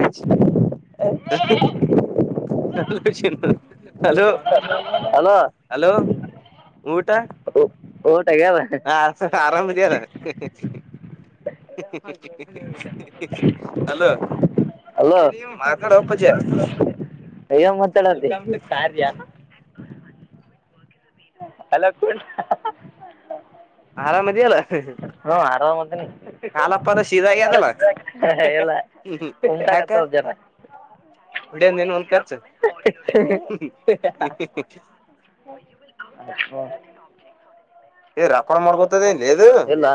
ಆ್ ಚ hello hello ಊಟ ಹ ಆರಾಮ್ ಇದೀ ಏನು ಹಲೋ ಹಲೋ ಏನ್ ಮಾತಾಡಕ್ಕೂ ಕಾರ್ಯ ಹ ಹಲೋ ಕು ಆರಾಮ್ದಿಯಲ್ಲ ಹೂ ಆರಾಮ ಅದಾನಿ ಇಲ್ಲ ಉಂಟತ್ತ ಜನ ದಜತ ಅದಕ್ಕ ಏ ರಾಪ್ಪನ್ ಮಾಡ್ಕತದೆದು ಇಲ್ಲ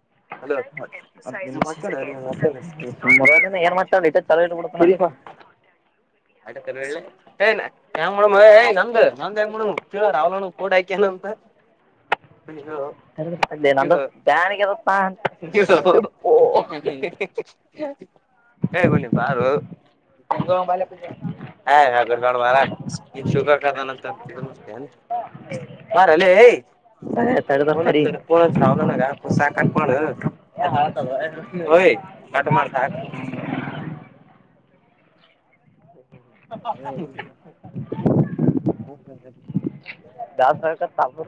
ಏನ್ ಮಾಡ್ತ ಚಲೋ ಇಬಡ [inaudible] [unintelligible] ಏಂಗ ಏ್ ನ ನ ಅವ ೋನ್ ಆಯ ಬಾನಿಗೆ ಹಾಿವಸ ಓ ಹೇಗುಣ ಪ ಯಾರು ಹ ಹಡ್ ಬಾುವಾರ ಇನ್ ಶುಗರ್ ಾದಾನಂತ ಮತ್ತೆನ್ ಅಾರ ಅಲ್ಲ ಐ ಪ ಹಾವಲ ನ ಪ ಸಾಕ ಕಾಟ ಮಾಸ ಆ ಹ್ಮ ಜಾ ಸಹಕಾರ ತಾ ಬ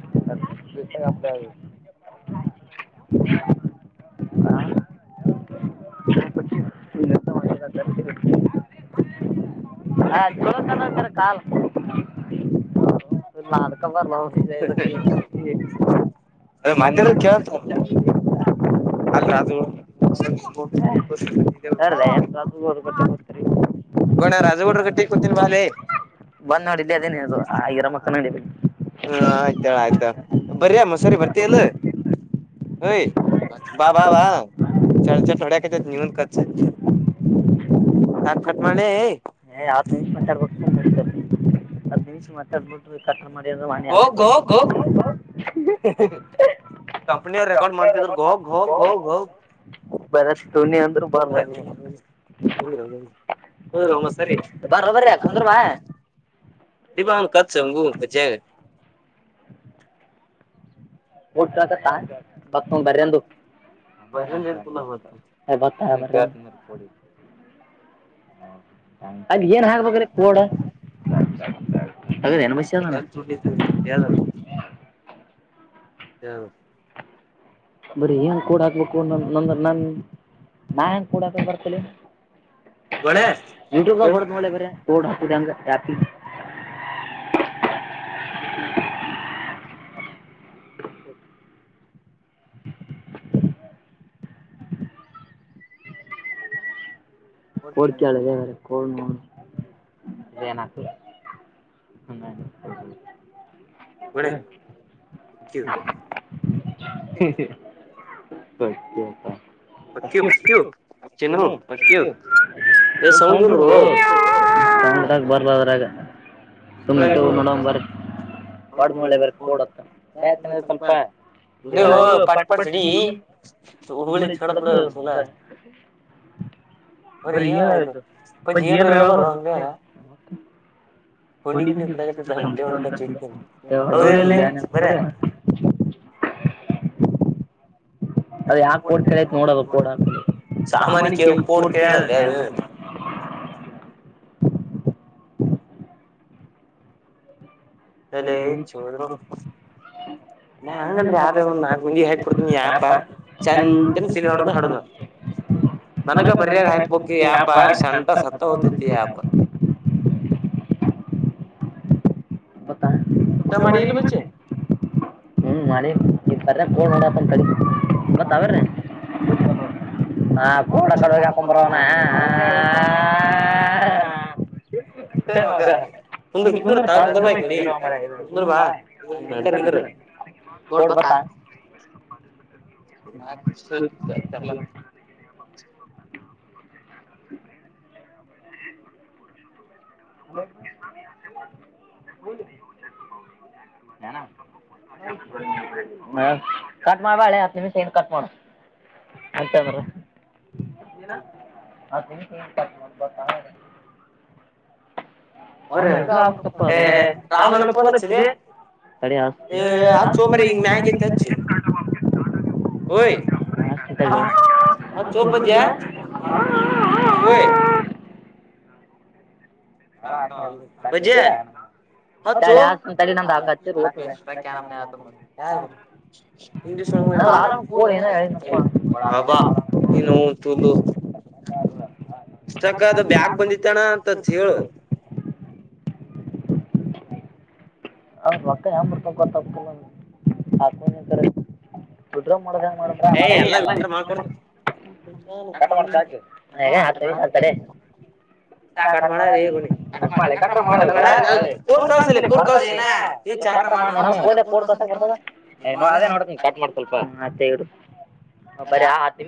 [inaudible] ಹ ಮಾಡ ಹಾ ಜೋಕನತಾರೆ ಕಾಲ್ ನಾದಕಬರ್ದ ಹೊ ಅದ ಮತ್ತ ಕ ಅಲ್ ಅದು ಸ ಗೋಣ ರಾಜಗೌಡ ಕಟ್ಟಿ ಕೂತೀಿನಿ ಬಾಲೆ ಬಂದ್ ನೋಡಿದ್ದೆ ಅದೇನ್ ಹೇಳದು ಆಗಿರಮ್ಮಕ್ಕ ನೋಡಿದ್ದಿ ಹ್ಮ ಆಯ್ತ ಆಯ್ತಾ ಬರಿಮ್ಮ ಸರಿ ಬರ್ತಲ್ಲ ಬಾ ಬಾ ಬಾ ಚ ಚ [inaudible] [unintelligible] ಿ ಆ ನಿಮಿಷಚ [inaudible] [unintelligible] ಕಂಪ್ನಿಯವ ರೆಕಾರ್ಡ್ ಮಾಡ್ತಿದ್ರ ಗೋಗ ಹೋಗ ಹೋಗ ಹೋಗ್ ಬರ ಕ ಹ ಸರಿ ಬರಬಬ ದಪ ಅವ್ನ್ ಕತ್ಸಂಗೂಾಗ ಊಟ್ ಕಳಕತ್ತಾ ಮಕ್ಂಗ ಬರಂದು [inaudible] ಅದ್ ಏನ್ ಹಾಕ್ಬೇಕ್ರೆ ಕೋಡ ಅದನ ಮಷ ಹಲ ಬರ ಹೆಂಗ ಕೂಡ ಹಾಕ್ಬೇಕು ನ ನನ್ ನಾ ಹೆಂಗ ಕೂಡಾಕ್ಬೇಕ ಬರ್ತಲಿ ಯಟ್ಯ ಕೊಡ್ಳೆ ಬರೋಡ್ ಹಾಕದೆಂಗ [inaudible] [inaudible] [inaudible] [inaudible] ಕೋಡ್ಿಕಳದರ ಕಡ್ ್ಮ ನಕ ಹ್ಮ ಬರ ಸ ಅಷ್ಟನು ಸ್ಲ್ ಹೌೊಂಡ್ಬಡದುಟಾಗ ಬರ್ದದ್ರಾಗ ಟೊಮಟೋ ನೋಡಮ ಬಾರೆ ಒಡಳೆವ ಕೂಡಕ್ಕ ಸ್ವಲ್ಪ ಎೋ ಪಟ್ಪಟ್ರಿ ಎಡ ಅಲ್ಲ ಬರಹ ಪಂಜ ಹ ರಪ ಬರ್ ಕಡಿ ನಿ ಹಡ [inaudible] ಅದ ಯಾಕೆ ಕೋಡ್ತ ಆಯತ್ ನೋಡದು ಕೋಡ ಸಾಮಾನ ಕೆ ಕೋರ್ ಕೆೇಳ ಬೆ ನ ಚಪ ತಿ ಹಡುಬ ನನಗ ಬರ ಯಾಪಾ ಶಂತ ಸತ್ತ ಹದ [unintelligible] ಊಟಾ ಮಾಡಡಿ ಇಲ್ಲ ಬಚೆ ಹ್ಮ ಮಾಡಿ ಈರ್ದ ಕೋಡ್ ನೋಡಪ್ಪ ಕ ಮತ್ಾವ್ರೀ ಹಾ ಪುಡಕಡುವಗಾಗಕಂಂಬರಾವನಾ ಹ ಹಾ ತ್ರ್ರ [inaudible] ಸರಿ ಸಂದರ್ಬ ನ ಸ ಚಲ [inaudible] ಹ [unintelligible] ಕಟ್ ಮಾಡಾರಬಳ ಅಮ ಸೈ ಕಟ್ ಮಾಡಾರು ಆತಂದ್ರ ಹ ಅವ ಅ ರಾವನೋಡ ಪಂದಚ ಹ ಆ ಸೋಮ್ರ ಹಿಂಗ ಮ್ಯಕತಚಿ ಯ ಹ ಚೊಪ ಜಾ ಹಾ ಬಜ ಹ ಚ ಯ ಇ ಹಬ ತುು ಅಷ್ಟಕ್ಕ ಅದು ಬ್ಯಾಗ್ ಬಂದಿತ್ತಣ ಅಂತ ಹೇಳುದು [inaudible] ಅವ್ರ ರೊಕ್ಕ ಯಂಬ್ರ ತಕೊ ತಕ ಹಾಕಂತಾರೆ ಉುದ್ರ ಮಾಡಂಗ ಮಾಡುದ್ರ ಮಾಡತಾ ಹಗ ಹಾತವಿ ಆ ಕಡೆ ಕ ಕಡ್ ಕಸ ಬರ್ತದ ಅದೇ ನೋ ಸ್ವಲ್ಪ ಬರಿ ಆ ಹ ನಿಮಿ